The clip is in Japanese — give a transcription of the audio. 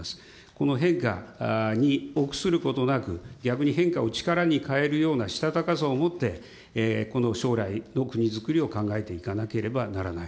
この変化に臆することなく、逆に変化を力に変えるようなしたたかさを持って、この将来の国づくりを考えていかなければならない。